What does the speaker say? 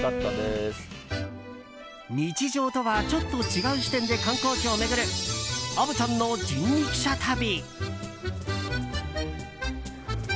日常とはちょっと違う視点で観光地を巡る虻ちゃんの人力車旅。